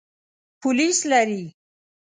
پولیس لري.